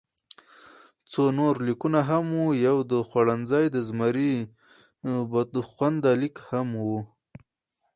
څو نور لیکونه هم وو، یو د خوړنځای د زمري بدخونده لیک وو.